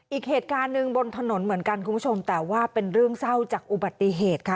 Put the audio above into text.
อีกเหตุการณ์หนึ่งบนถนนเหมือนกันคุณผู้ชมแต่ว่าเป็นเรื่องเศร้าจากอุบัติเหตุค่ะ